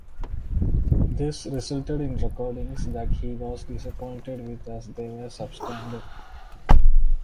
This resulted in recordings that he was disappointed with as they were substandard.